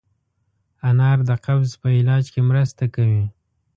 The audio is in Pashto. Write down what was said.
انار د قبض په علاج کې مرسته کوي.